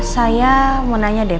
saya mau nanya deh